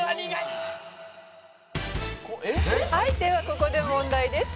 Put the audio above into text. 「はいではここで問題です」